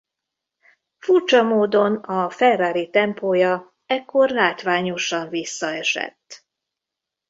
Furcsa módon a Ferrari tempója ekkor látványosan visszaesett.